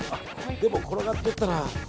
でも転がっていったな。